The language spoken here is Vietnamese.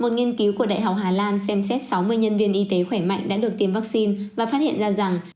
một nghiên cứu của đại học hà lan xem xét sáu mươi nhân viên y tế khỏe mạnh đã được tiêm vaccine và phát hiện ra rằng